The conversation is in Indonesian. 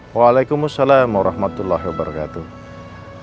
waalaikumsalam warahmatullahi wabarakatuh